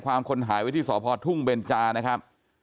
คนหายไว้ที่สพทุ่งเบนจานะครับ